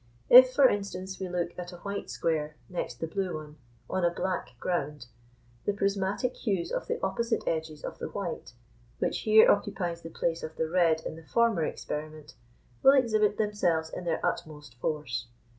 If, for instance, we look at a white square, next the blue one, on a black ground, the prismatic hues of the opposite edges of the white, which here occupies the place of the red in the former experiment, will exhibit themselves in their utmost force.